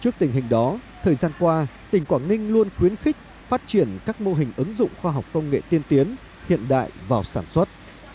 trước tình hình đó thời gian qua tỉnh quảng ninh luôn khuyến khích phát triển các mô hình ứng dụng khoa học công nghệ tiên tiến hiện đại vào sản xuất